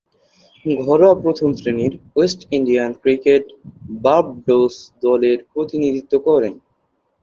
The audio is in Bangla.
ঘরোয়া প্রথম-শ্রেণীর ওয়েস্ট ইন্ডিয়ান ক্রিকেটে বার্বাডোস দলের প্রতিনিধিত্ব করেন।